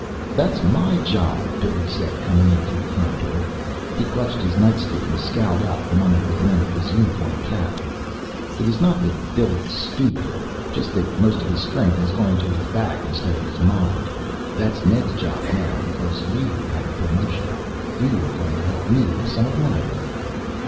"That's my job," Billy said coming in through the front door. He clutched his nightstick and scowled out from under the brim of his uniform cap. It is not that Billy is stupid, just that most of his strength has gone into his back instead of his mind. "That's Ned's job now because you have a promotion. You are going to help me with some of my work."